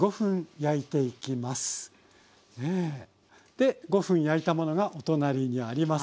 で５分焼いたものがお隣にあります。